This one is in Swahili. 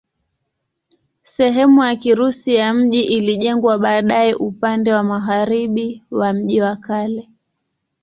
Sehemu ya Kirusi ya mji ilijengwa baadaye upande wa magharibi wa mji wa kale.